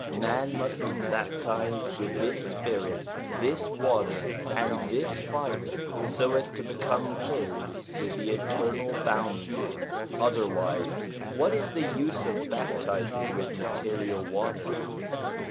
Man must be baptized with this spirit, this water, and this fire so as to become filled with the eternal bounty. Otherwise, what is the use of baptizing with material water